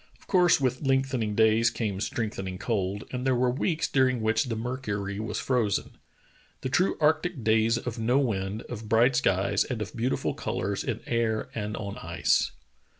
Of course, with lengthening days came strengthening cold, and there were weeks during which the mercury was frozen — the true arctic days of no wind, of bright skies, and of beautiful colors in air and on ice.